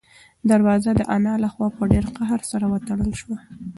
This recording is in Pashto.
دروازه د انا له خوا په ډېر قهر سره وتړل شوه.